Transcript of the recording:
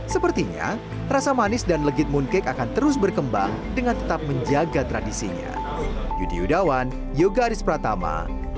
sepertinya rasa manis dan legit mooncake akan terus berkembang dengan tetap menjaga tradisinya